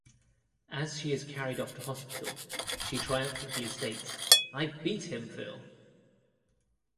As she is carried off to hospital, she triumphantly states: I beat him, Phil.